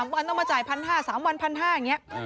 วันต้องมาจ่าย๑๕๐๐๓วัน๑๕๐๐อย่างนี้